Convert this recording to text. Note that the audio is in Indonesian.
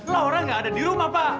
laura nggak ada di rumah pak